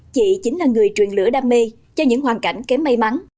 chị chính là người truyền lửa đam mê cho những hoàn cảnh kém may mắn